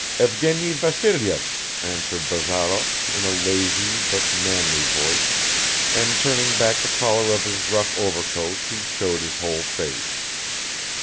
"Evgeny Vassilyev," answered Bazarov in a lazy but manly voice, and turning back the collar of his rough overcoat he showed his whole face.